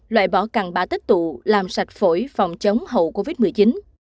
loại bỏ cằn bã tích tụ làm sạch phổi phòng chống hậu covid một mươi chín